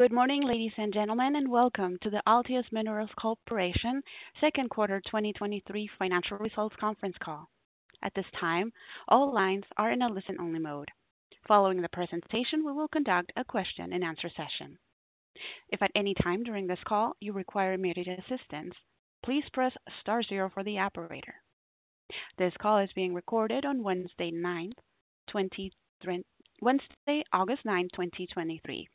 Good morning, ladies and gentlemen, and welcome to the Altius Minerals Corporation second quarter 2023 financial results conference call. At this time, all lines are in a listen-only mode. Following the presentation, we will conduct a question-and-answer session. If at any time during this call you require immediate assistance, please press star zero for the operator. This call is being recorded on Wednesday, 9th, Wednesday, August 9th, 2023.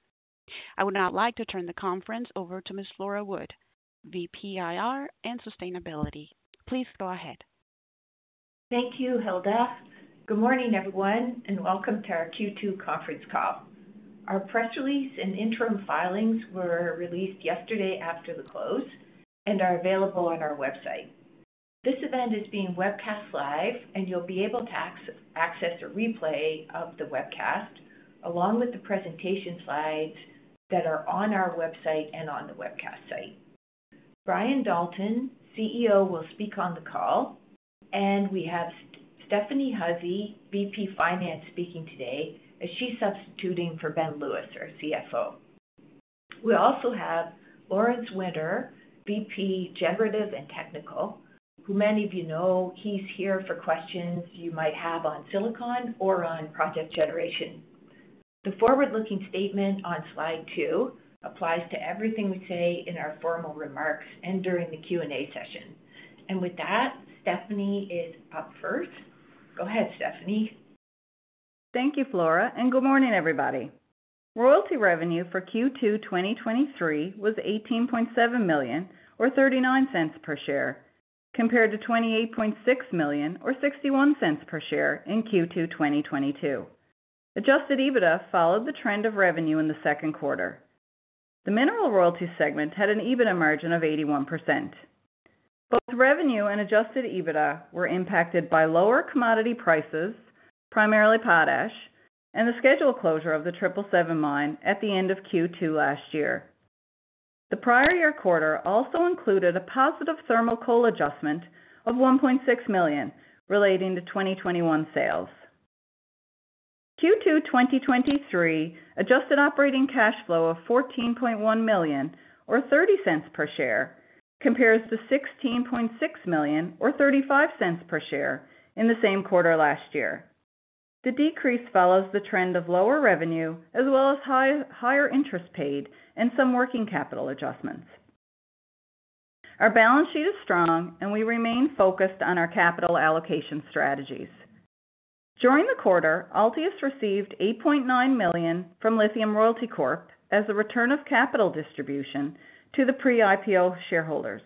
I would now like to turn the conference over to Ms. Flora Wood, VP, IR and Sustainability. Please go ahead. Thank you, Hilda. Good morning, everyone, and welcome to our Q2 conference call. Our press release and interim filings were released yesterday after the close and are available on our website. This event is being webcast live, and you'll be able to access a replay of the webcast, along with the presentation slides that are on our website and on the webcast site. Brian Dalton, CEO, will speak on the call, and we have Stephanie Hussey, VP Finance, speaking today as she's substituting for Ben Lewis, our CFO. We also have Lawrence Winter, VP Generative and Technical, who many of you know, he's here for questions you might have on Silicon or on project generation. The forward-looking statement on slide two applies to everything we say in our formal remarks and during the Q&A session. With that, Stephanie is up first. Go ahead, Stephanie. Thank you, Flora. Good morning, everybody. Royalty revenue for Q2 2023 was CAD 18.7 million, or 0.39 per share, compared to CAD 28.6 million, or 0.61 per share in Q2 2022. Adjusted EBITDA followed the trend of revenue in the second quarter. The mineral royalty segment had an EBITDA margin of 81%. Both revenue and Adjusted EBITDA were impacted by lower commodity prices, primarily potash, and the scheduled closure of the 777 Mine at the end of Q2 last year. The prior year quarter also included a positive thermal coal adjustment of 1.6 million relating to 2021 sales. Q2 2023 adjusted operating cash flow of CAD 14.1 million or 0.30 per share, compares to CAD 16.6 million or 0.35 per share in the same quarter last year. The decrease follows the trend of lower revenue, as well as higher interest paid and some working capital adjustments. Our balance sheet is strong, and we remain focused on our capital allocation strategies. During the quarter, Altius received 8.9 million from Lithium Royalty Corp as a return of capital distribution to the pre-IPO shareholders.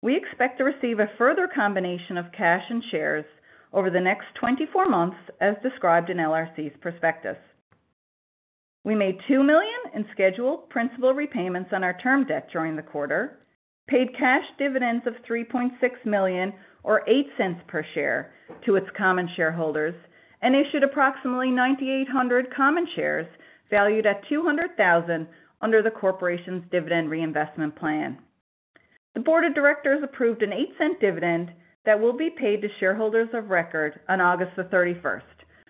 We expect to receive a further combination of cash and shares over the next 24 months, as described in LRC's prospectus. We made 2 million in scheduled principal repayments on our term debt during the quarter, paid cash dividends of 3.6 million or 0.08 per share to its common shareholders, and issued approximately 9,800 common shares valued at 200,000 under the Corporation's dividend reinvestment plan. The Board of Directors approved an 0.08 dividend that will be paid to shareholders of record on August 31st,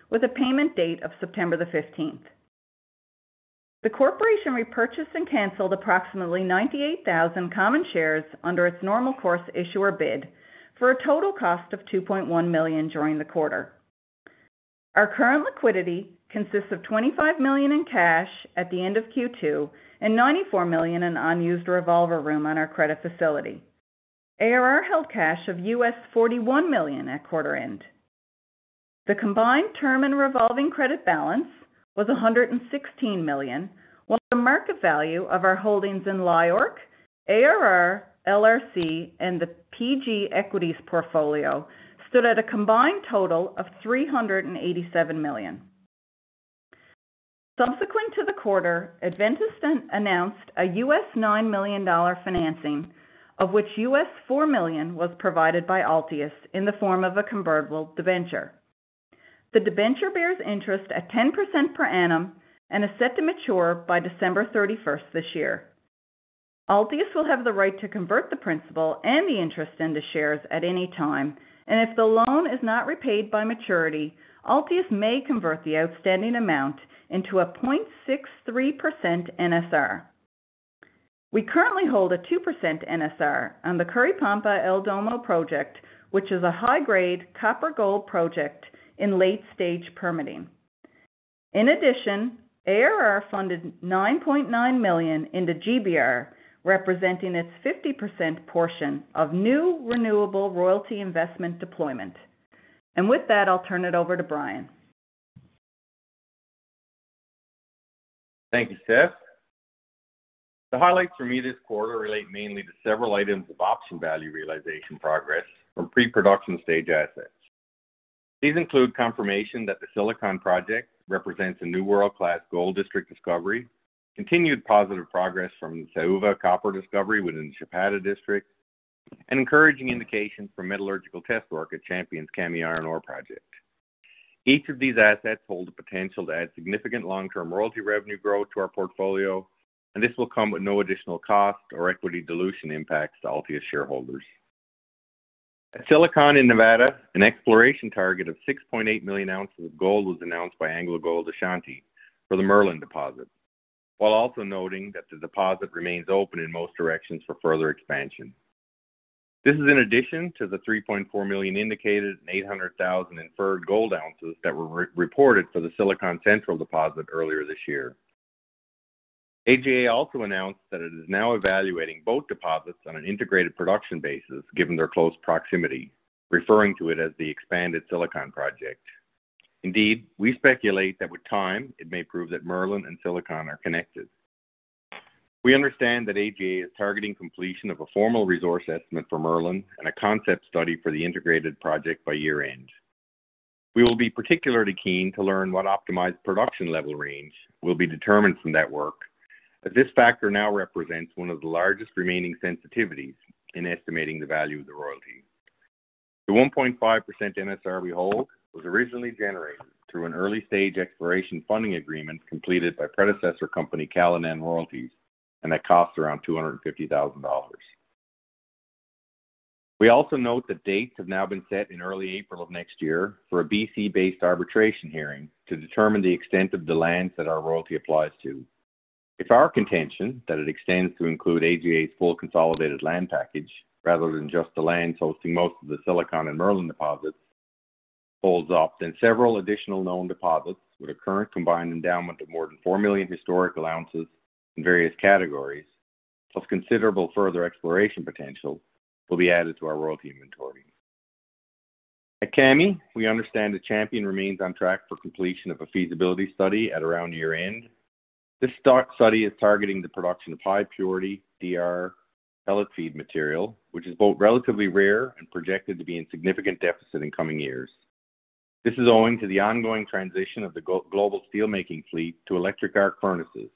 with a payment date of September 15th. The Corporation repurchased and canceled approximately 98,000 common shares under its normal course issuer bid for a total cost of 2.1 million during the quarter. Our current liquidity consists of 25 million in cash at the end of Q2 and 94 million in unused revolver room on our credit facility. ARR held cash of $41 million at quarter end. The combined term and revolving credit balance was 116 million, while the market value of our holdings in Labrador Iron Ore Royalty Corporation, ARR, LRC, and the PG equities portfolio stood at a combined total of 387 million. Subsequent to the quarter, Adventus announced a $9 million financing, of which $4 million was provided by Altius in the form of a convertible debenture. The debenture bears interest at 10% per annum and is set to mature by December 31st this year. Altius will have the right to convert the principal and the interest into shares at any time. If the loan is not repaid by maturity, Altius may convert the outstanding amount into a 0.63% NSR. We currently hold a 2% NSR on the Curipamba-El Domo project, which is a high-grade copper-gold project in late-stage permitting. In addition, ARR funded 9.9 million into GBR, representing its 50% portion of new renewable royalty investment deployment. With that, I'll turn it over to Brian. Thank you, Steph. The highlights for me this quarter relate mainly to several items of option value realization progress from pre-production stage assets. These include confirmation that the Silicon project represents a new world-class gold district discovery, continued positive progress from the Saúva copper discovery within the Chapada district, and encouraging indications for metallurgical test work at Champion's Kami iron ore project. Each of these assets hold the potential to add significant long-term royalty revenue growth to our portfolio, and this will come with no additional cost or equity dilution impacts to Altius shareholders. At Silicon in Nevada, an exploration target of 6.8 million ounces of gold was announced by AngloGold Ashanti for the Merlin deposit, while also noting that the deposit remains open in most directions for further expansion. This is in addition to the 3.4 million indicated and 800,000 inferred gold ounces that were re-reported for the Silicon central deposit earlier this year. AGA also announced that it is now evaluating both deposits on an integrated production basis, given their close proximity, referring to it as the expanded Silicon project. Indeed, we speculate that with time, it may prove that Merlin and Silicon are connected. We understand that AGA is targeting completion of a formal resource estimate for Merlin and a concept study for the integrated project by year-end. We will be particularly keen to learn what optimized production level range will be determined from that work, as this factor now represents one of the largest remaining sensitivities in estimating the value of the royalty. The 1.5% NSR we hold, was originally generated through an early-stage exploration funding agreement completed by predecessor company, Callinan Royalties. That cost around 250,000 dollars. We also note that dates have now been set in early April of next year for a BC-based arbitration hearing to determine the extent of the lands that our royalty applies to. If our contention that it extends to include AGA's full consolidated land package, rather than just the lands hosting most of the Silicon and Merlin deposits, holds up, then several additional known deposits with a current combined endowment of more than 4 million historical ounces in various categories, plus considerable further exploration potential, will be added to our royalty inventory. At Kami, we understand that Champion remains on track for completion of a feasibility study at around year-end. This stock study is targeting the production of high purity, DR pellet feed material, which is both relatively rare and projected to be in significant deficit in coming years. This is owing to the ongoing transition of the global steelmaking fleet to electric arc furnaces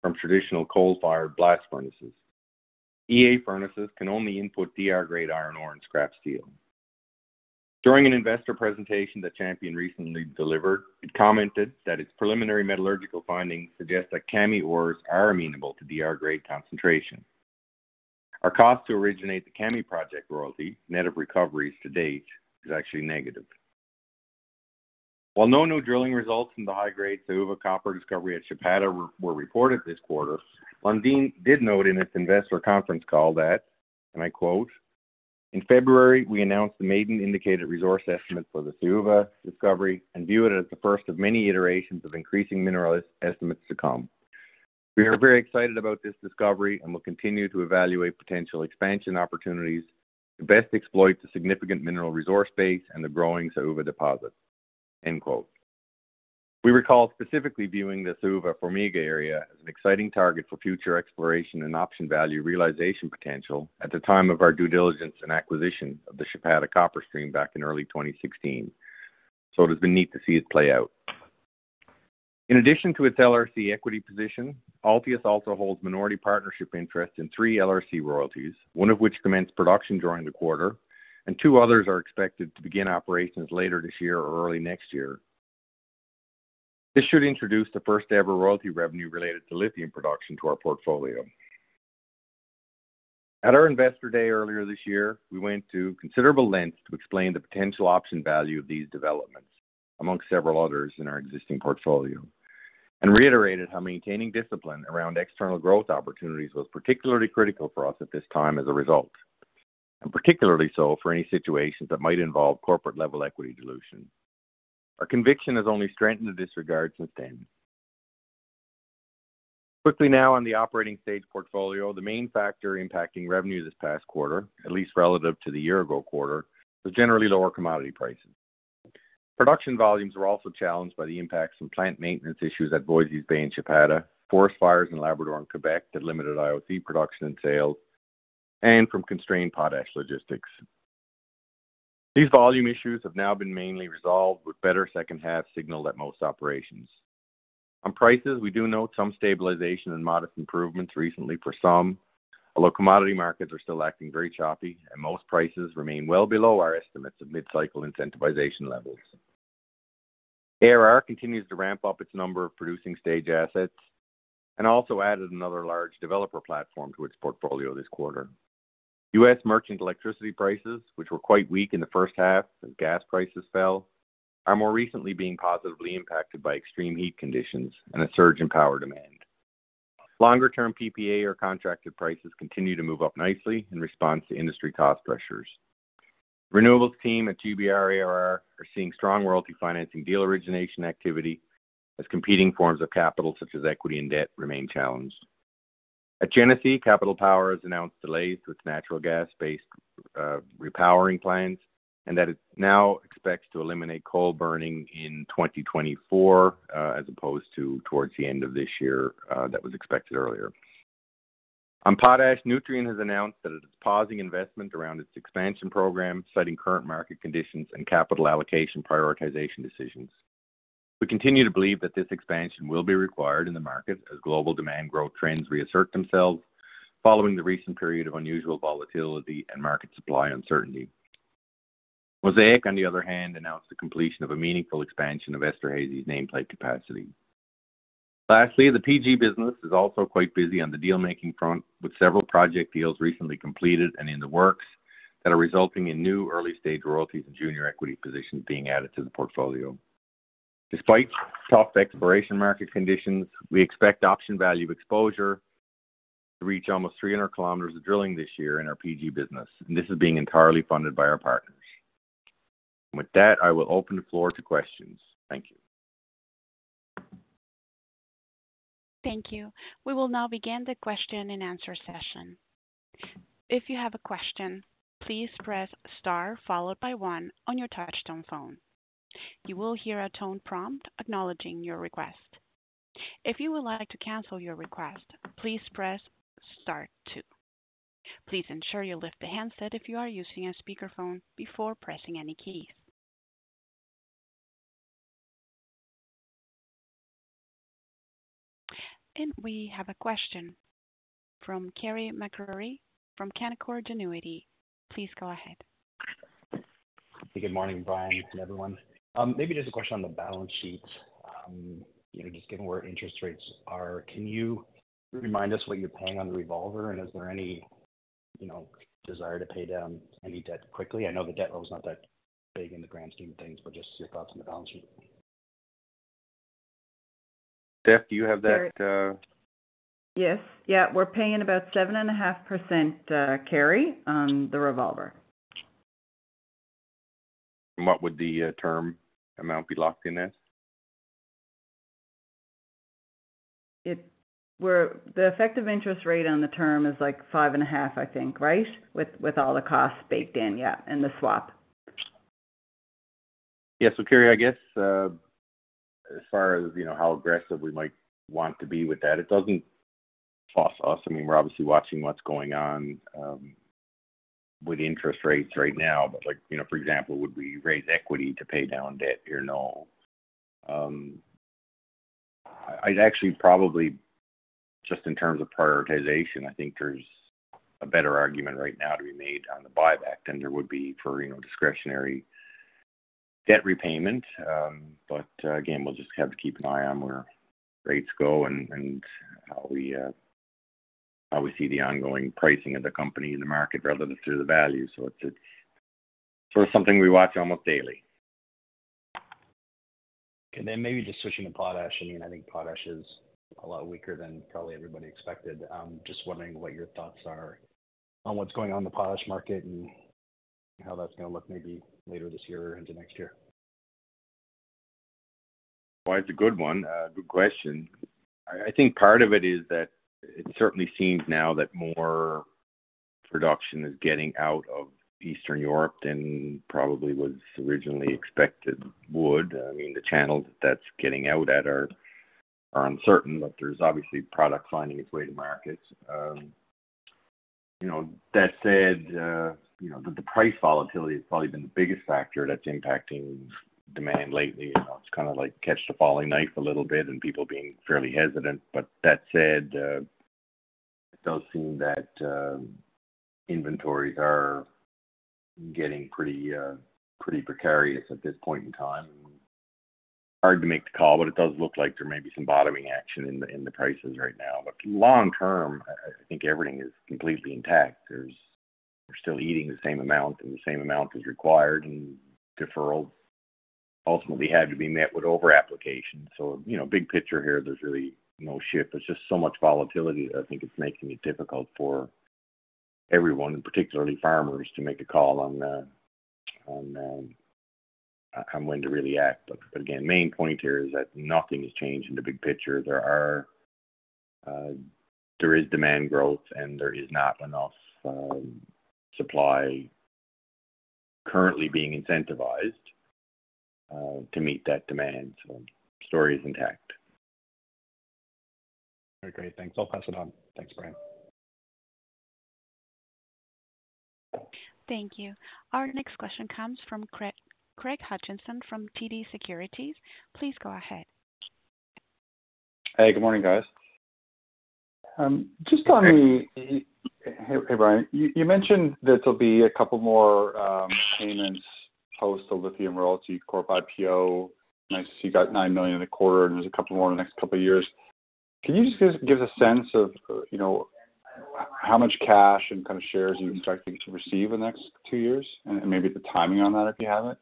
from traditional coal-fired blast furnaces. EAF furnaces can only input DR-grade iron ore and scrap steel. During an investor presentation that Champion recently delivered, it commented that its preliminary metallurgical findings suggest that Kami ores are amenable to DR-grade concentration. Our cost to originate the Kami Project royalty, net of recoveries to date, is actually negative. While no new drilling results in the high-grade Saúva copper discovery at Chapada were reported this quarter, Lundin did note in its investor conference call that, and I quote, "In February, we announced the maiden indicated resource estimate for the Saúva discovery and view it as the first of many iterations of increasing mineral resource estimates to come. We are very excited about this discovery and will continue to evaluate potential expansion opportunities to best exploit the significant mineral resource base and the growing Saúva deposit." End quote. We recall specifically viewing the Saúva Formiga area as an exciting target for future exploration and option value realization potential at the time of our due diligence and acquisition of the Chapada copper stream back in early 2016. It has been neat to see it play out. In addition to its LRC equity position, Altius also holds minority partnership interest in three LRC royalties, one of which commenced production during the quarter, two others are expected to begin operations later this year or early next year. This should introduce the first-ever royalty revenue related to lithium production to our portfolio. At our Investor Day earlier this year, we went to considerable lengths to explain the potential option value of these developments, amongst several others in our existing portfolio, and reiterated how maintaining discipline around external growth opportunities was particularly critical for us at this time as a result, and particularly so for any situations that might involve corporate-level equity dilution. Our conviction has only strengthened in this regard since then. Quickly now on the operating stage portfolio, the main factor impacting revenue this past quarter, at least relative to the year-ago quarter, was generally lower commodity prices. Production volumes were also challenged by the impacts from plant maintenance issues at Voisey's Bay and Chapada, forest fires in Labrador and Quebec that limited IOC production and sales, and from constrained potash logistics. These volume issues have now been mainly resolved, with better second half signal at most operations. On prices, we do note some stabilization and modest improvements recently for some, although commodity markets are still acting very choppy, and most prices remain well below our estimates of mid-cycle incentivization levels. ARR continues to ramp up its number of producing stage assets and also added another large developer platform to its portfolio this quarter. U.S. merchant electricity prices, which were quite weak in the first half as gas prices fell, are more recently being positively impacted by extreme heat conditions and a surge in power demand. Longer-term PPA or contracted prices continue to move up nicely in response to industry cost pressures. Renewables team at GBR ARR are seeing strong royalty financing deal origination activity as competing forms of capital, such as equity and debt, remain challenged. At Genesee, Capital Power has announced delays to its natural gas-based, repowering plans, and that it now expects to eliminate coal burning in 2024, as opposed to towards the end of this year, that was expected earlier. On potash, Nutrien has announced that it is pausing investment around its expansion program, citing current market conditions and capital allocation prioritization decisions. We continue to believe that this expansion will be required in the market as global demand growth trends reassert themselves following the recent period of unusual volatility and market supply uncertainty. Mosaic, on the other hand, announced the completion of a meaningful expansion of Esterhazy's nameplate capacity. Lastly, the PG business is also quite busy on the deal-making front, with several project deals recently completed and in the works that are resulting in new early-stage royalties and junior equity positions being added to the portfolio. Despite tough exploration market conditions, we expect option value exposure to reach almost 300 kilometers of drilling this year in our PG business. This is being entirely funded by our partners. With that, I will open the floor to questions. Thank you. Thank you. We will now begin the question-and-answer session. If you have a question, please press star followed by one on your touchtone phone. You will hear a tone prompt acknowledging your request. If you would like to cancel your request, please press star two. Please ensure you lift the handset if you are using a speakerphone before pressing any keys. We have a question from Carey MacRury from Canaccord Genuity. Please go ahead. Good morning, Brian, and everyone. Maybe just a question on the balance sheet. You know, just given where interest rates are, can you remind us what you're paying on the revolver? Is there any, you know, desire to pay down any debt quickly? I know the debt level is not that big in the grand scheme of things, but just your thoughts on the balance sheet. Steph, do you have that...? Yes. Yeah, we're paying about 7.5% carry on the revolver. What would the term amount be locked in as? The effective interest rate on the term is, like, 5.5%, I think, right? With all the costs baked in, yeah, and the swap. Yeah. Carey, I guess, as far as you know, how aggressive we might want to be with that, it doesn't cost us. I mean, we're obviously watching what's going on with interest rates right now, like, you know, for example, would we raise equity to pay down debt or no? I'd actually probably, just in terms of prioritization, I think there's a better argument right now to be made on the buyback than there would be for, you know, discretionary debt repayment. Again, we'll just have to keep an eye on where rates go and, and how we see the ongoing pricing of the company in the market rather than through the value. It's, it's sort of something we watch almost daily. Maybe just switching to potash. I mean, I think potash is a lot weaker than probably everybody expected. Just wondering what your thoughts are on what's going on in the potash market and how that's going to look maybe later this year or into next year. Well, it's a good one, good question. I, I think part of it is that it certainly seems now that more production is getting out of Eastern Europe than probably was originally expected would. I mean, the channels that's getting out at are, are uncertain, but there's obviously product finding its way to markets. You know, that said, you know, the price volatility has probably been the biggest factor that's impacting demand lately. You know, it's kinda like catch the falling knife a little bit and people being fairly hesitant. That said, it does seem that inventories are getting pretty, pretty precarious at this point in time. Hard to make the call, but it does look like there may be some bottoming action in the, in the prices right now. Long term, I, I think everything is completely intact. We're still eating the same amount, and the same amount is required, and deferral ultimately had to be met with overapplication. You know, big picture here, there's really no shift. There's just so much volatility that I think it's making it difficult for everyone, and particularly farmers, to make a call on, on when to really act. Again, main point here is that nothing has changed in the big picture. There are, there is demand growth, and there is not enough supply currently being incentivized to meet that demand. Story is intact. Okay, great. Thanks. I'll pass it on. Thanks, Brian. Thank you. Our next question comes from Craig Hutchison from TD Securities. Please go ahead. Hey, good morning, guys. Hey, Brian, you mentioned that there'll be a couple more payments post the Lithium Royalty Corp IPO. Nice to see you got 9 million in the quarter, and there's a couple more in the next couple of years. Can you just give us a sense of, you know, how much cash and kind of shares you're expecting to receive in the next 2 years, and maybe the timing on that, if you have it?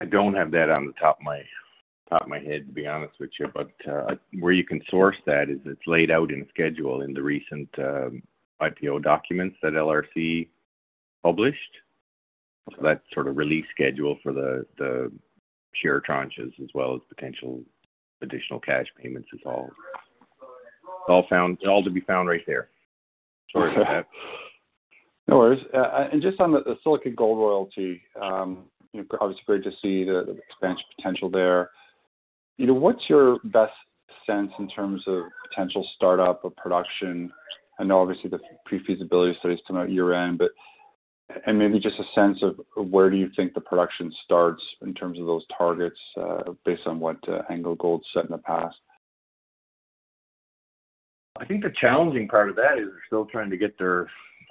I don't have that on the top of my, top of my head, to be honest with you. Where you can source that is it's laid out in schedule in the recent, IPO documents that LRC published. That sort of release schedule for the, the share tranches, as well as potential additional cash payments, is all to be found right there. Sorry about that. No worries. Just on the Silicon Gold Royalty, you know, obviously, great to see the expansion potential there. You know, what's your best sense in terms of potential startup of production? I know, obviously, the pre-feasibility study is coming out year-end, but—Maybe just a sense of where do you think the production starts in terms of those targets, based on what, AngloGold set in the past? I think the challenging part of that is they're still trying to get their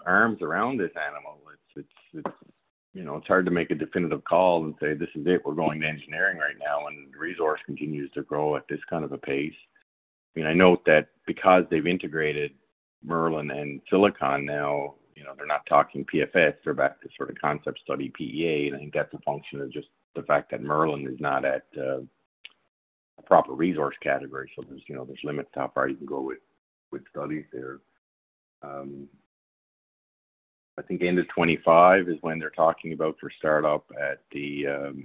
arms around this animal. It's, you know, it's hard to make a definitive call and say, This is it, we're going to engineering right now. The resource continues to grow at this kind of a pace. I mean, I note that because they've integrated Merlin and Silicon now, you know, they're not talking PFS, they're about the sort of concept study, PEA, and I think that's a function of just the fact that Merlin is not at a, a proper resource category. There's, you know, there's limit to how far you can go with, with studies there. I think end of 2025 is when they're talking about for startup at the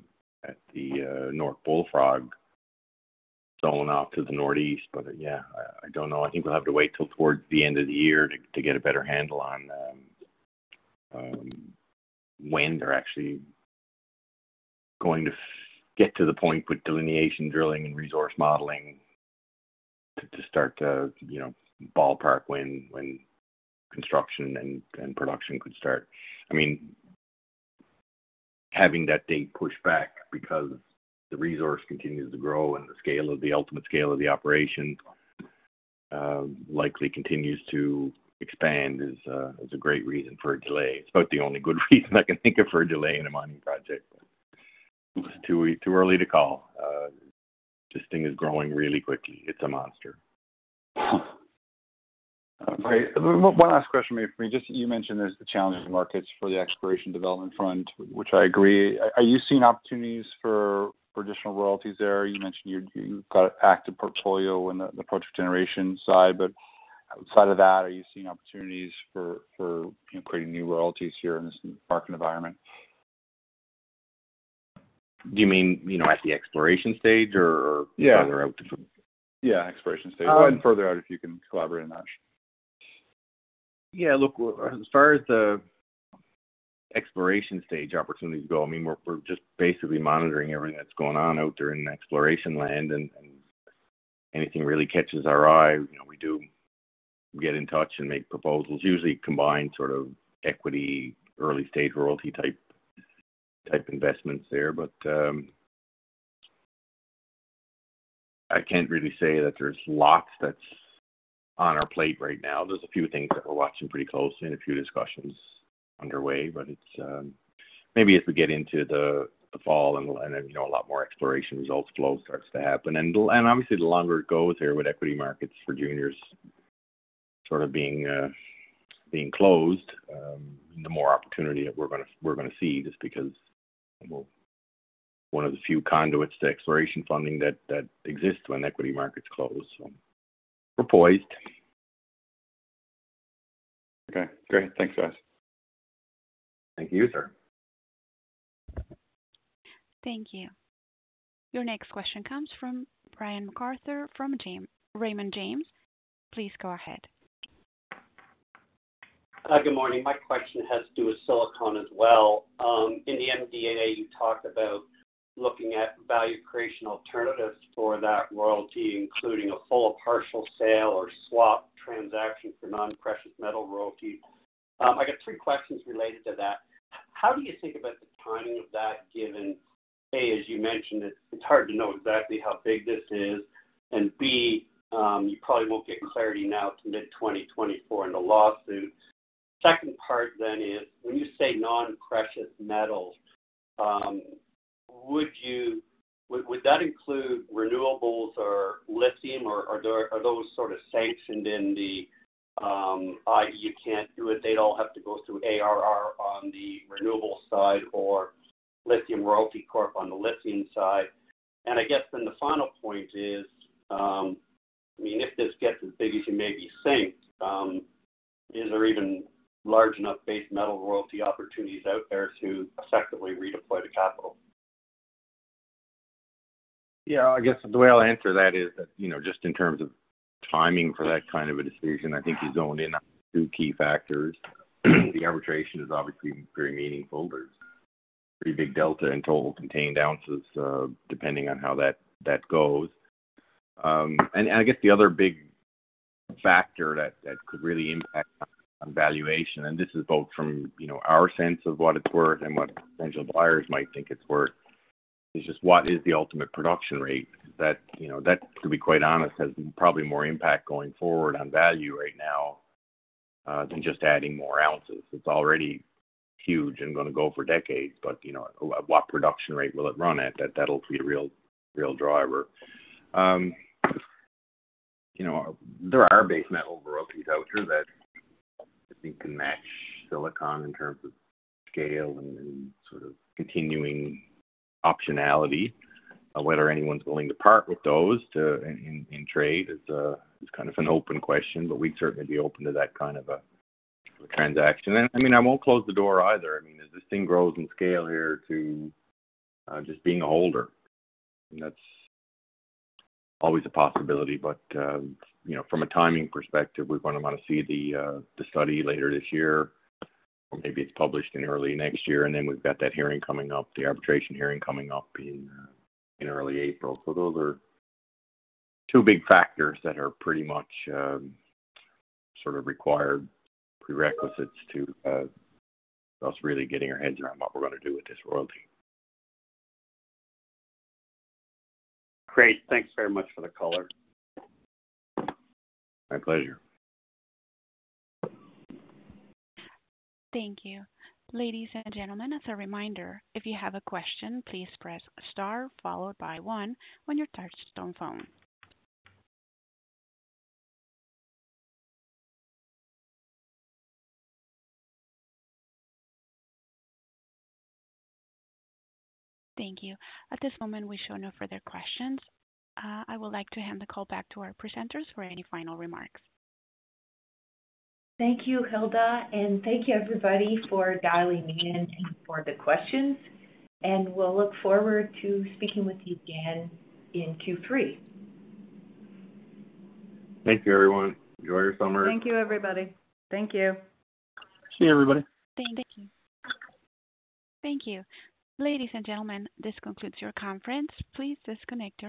North Bullfrog zone out to the northeast. Yeah, I don't know. I think we'll have to wait till towards the end of the year to, to get a better handle on, when they're actually going to get to the point with delineation, drilling, and resource modeling to, to start to, you know, ballpark when, when construction and, and production could start. I mean, having that date pushed back because the resource continues to grow and the scale of the ultimate scale of the operation, likely continues to expand is, is a great reason for a delay. It's too, too early to call, this thing is growing really quickly. It's a monster. Okay, one last question for me. Just you mentioned there's the challenging markets for the exploration development front, which I agree. Are you seeing opportunities for additional royalties there? You mentioned you've got an active portfolio in the project generation side, but outside of that, are you seeing opportunities for, you know, creating new royalties here in this market environment? Do you mean, you know, at the exploration stage or- Yeah. Further out? Yeah, exploration stage, and further out, if you can elaborate on that? Yeah, look, as far as the exploration stage opportunities go, I mean, we're, we're just basically monitoring everything that's going on out there in exploration land, and, and anything really catches our eye, you know, we do get in touch and make proposals, usually combined sort of equity, early-stage royalty type, type investments there. I can't really say that there's lots that's on our plate right now. There's a few things that we're watching pretty closely and a few discussions underway, but it's. Maybe as we get into the, the fall and, and, you know, a lot more exploration results flow starts to happen. Obviously, the longer it goes here with equity markets for juniors sort of being closed, the more opportunity that we're gonna see, just because we're one of the few conduits to exploration funding that exists when equity markets close. We're poised. Okay, great. Thanks, guys. Thank you, sir. Thank you. Your next question comes from Brian MacArthur, from Raymond James. Please go ahead. Good morning. My question has to do with Silicon as well. In the MDA, you talked about looking at value creation alternatives for that royalty, including a full or partial sale or swap transaction for non-precious metal royalty. I got three questions related to that. How do you think about the timing of that, given, A, as you mentioned, it's, it's hard to know exactly how big this is, and B, you probably won't get clarity now till mid-2024 in the lawsuit. Second part is, when you say non-precious metals, would you, would, would that include renewables or lithium? Or are there, are those sort of sanctioned in the, i.e., you can't do it, they'd all have to go through ARR on the renewable side or Lithium Royalty Corp on the lithium side. I guess then the final point is, I mean, if this gets as big as you maybe think, is there even large enough base metal royalty opportunities out there to effectively redeploy the capital? Yeah, I guess the way I'll answer that is that, you know, just in terms of timing for that kind of a decision, I think you zoned in on two key factors. The arbitration is obviously very meaningful, but it's a pretty big delta in total contained ounces, depending on how that, that goes. I guess the other big factor that, that could really impact on valuation, and this is both from, you know, our sense of what it's worth and what potential buyers might think it's worth, is just what is the ultimate production rate? That, you know, that, to be quite honest, has probably more impact going forward on value right now, than just adding more ounces. It's already huge and gonna go for decades, but you know, what production rate will it run at? That, that'll be a real, real driver. you know, there are base metal royalties out there that I think can match Silicon in terms of scale and, and sort of continuing optionality. Whether anyone's willing to part with those to, in, in, in trade is kind of an open question, but we'd certainly be open to that kind of a, a transaction. I mean, I won't close the door either. I mean, as this thing grows in scale here to just being a holder, that's always a possibility. you know, from a timing perspective, we're gonna want to see the study later this year, or maybe it's published in early next year, and then we've got that hearing coming up, the arbitration hearing coming up in early April. Those are two big factors that are pretty much, sort of required prerequisites to us really getting our heads around what we're gonna do with this royalty. Great. Thanks very much for the color. My pleasure. Thank you. Ladies and gentlemen, as a reminder, if you have a question, please press Star, followed by one on your touchtone phone. Thank you. At this moment, we show no further questions. I would like to hand the call back to our presenters for any final remarks. Thank you, Hilda, thank you, everybody, for dialing in and for the questions, we'll look forward to speaking with you again in Q3. Thank you, everyone. Enjoy your summer. Thank you, everybody. Thank you. See you, everybody. Thank you. Thank you. Ladies and gentlemen, this concludes your conference. Please disconnect your-